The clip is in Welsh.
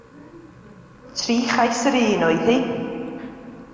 Tri chais yr un oedd hi.